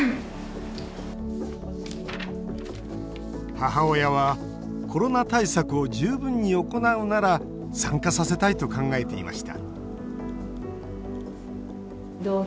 母親はコロナ対策を十分に行うなら参加させたいと考えていました